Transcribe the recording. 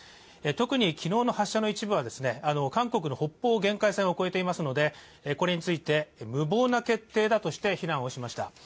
特に昨日の発射の一部は、韓国の北方限界線を越えていますのでこれについて無謀な決定だとして非難しました。